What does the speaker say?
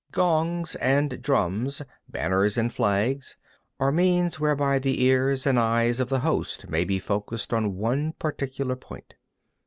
24. Gongs and drums, banners and flags, are means whereby the ears and eyes of the host may be focussed on one particular point.